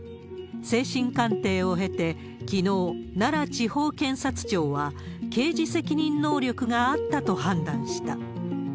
精神鑑定を経て、きのう奈良地方検察庁は、刑事責任能力があったと判断した。